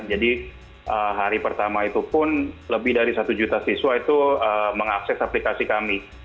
jadi hari pertama itu pun lebih dari satu juta siswa itu mengakses aplikasi kami